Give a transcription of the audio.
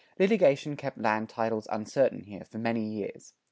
Litigation kept land titles uncertain here, for many years.